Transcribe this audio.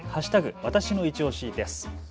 わたしのいちオシです。